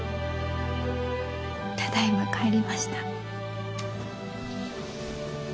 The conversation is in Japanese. ただいま帰りました。